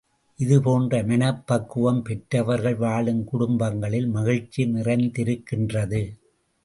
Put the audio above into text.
இதுபோன்ற மனப்பக்குவம் பெற்றவர்கள் வாழும் குடும்பங்களில் மகிழ்ச்சி நிறைந்திருக்கின்றது.